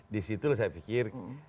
disitu saya pikir